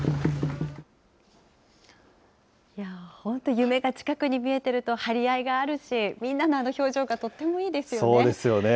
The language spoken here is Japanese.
本当、夢が近くに見えてると張り合いがあるし、みんなのあの表情がとっそうですよね。